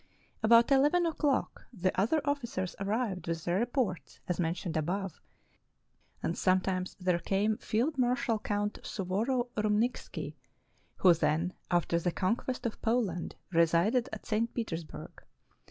About eleven o'clock the other officers arrived with their reports, as mentioned above, and sometimes there came Field Marshal Count Suvorov Rymnikski, who then, after the conquest of Poland, resided at St. Peters burg.